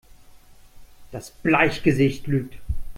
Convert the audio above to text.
Das Bleichgesicht lügt!